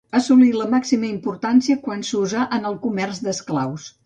Assolí la màxima importància quan s'usà en el comerç d'esclaus.